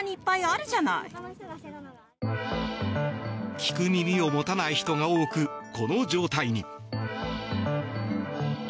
聞く耳を持たない人が多くこの状態に。